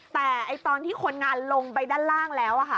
แต่ตอนที่คนงานลงไปด้านล่างแล้ว